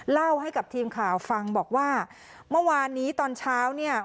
เล่าให้กับทีมข่าวฟังบอกว่าเมื่อวานนี้ตอนเช้าเนี่ย